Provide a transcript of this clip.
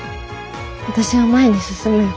私は前に進むよ。